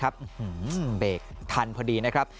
เบรกทันพอดีนะครับ